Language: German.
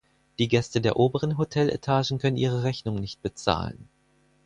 Die Gäste der oberen Hotel-Etagen können ihre Rechnung nicht bezahlen.